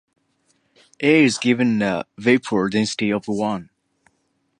Air is given a vapour density of one.